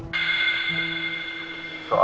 apale enggaklah ya